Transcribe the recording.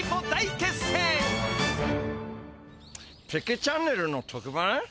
ペケチャンネルの特番？